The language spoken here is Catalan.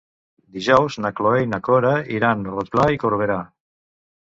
Dijous na Cloè i na Cora iran a Rotglà i Corberà.